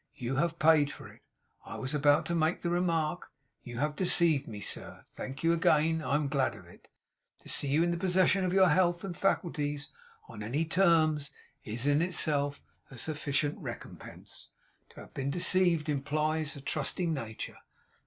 You have paid for it. I was about to make the remark. You have deceived me, sir. Thank you again. I am glad of it. To see you in the possession of your health and faculties on any terms, is, in itself, a sufficient recompense. To have been deceived implies a trusting nature.